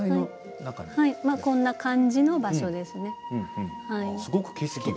こんな感じの場所です。